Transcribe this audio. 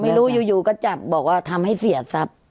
ไม่รู้อยู่ก็จับบอกว่าทำให้เสียทรัพย์